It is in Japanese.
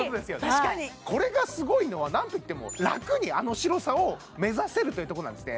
確かにこれがすごいのは何といっても楽にあの白さを目指せるというとこなんですね